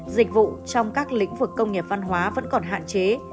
dịch vụ trong các lĩnh vực công nghiệp văn hóa vẫn còn hạn chế